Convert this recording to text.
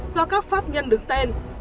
do các pháp nhân đứng tên